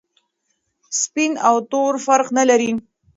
سپین او تور فرق نلري.